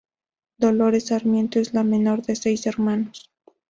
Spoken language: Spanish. Dolores Sarmiento es la menor de seis hermanos.